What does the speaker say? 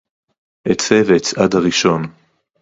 אֵצֵא וְאֶצְעַד הָרִאשׁוֹן